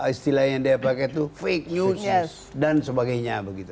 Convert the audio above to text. istilah yang dia pakai itu fake news dan sebagainya begitu